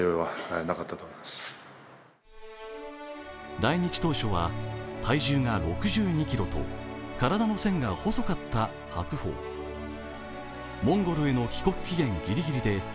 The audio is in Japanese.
来日当初は体重が６２ｋｇと体の線が細かった白鵬。